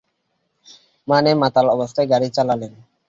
মানে মাতাল অবস্থায় গাড়ি চালালে।